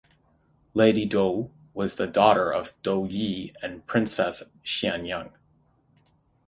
Lady Dou was the daughter of Dou Yi and Princess Xiangyang.